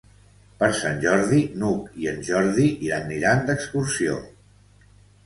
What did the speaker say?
Per Sant Jordi n'Hug i en Jordi aniran d'excursió.